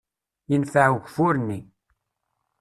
Yenfeε ugeffur-nni.